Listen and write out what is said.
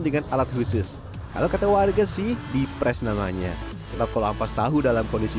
dengan alat khusus kalau kata warga sih di pres namanya sebab kalau ampas tahu dalam kondisi